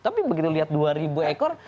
tapi begitu lihat dua ribu ekor